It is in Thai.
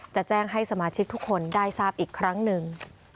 จะแจ้งให้สมาชิกทุกคนได้ทราบอีกครั้งหนึ่ง